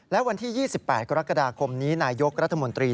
และวันที่๒๘กรกฎาคมนี้นายกรัฐมนตรี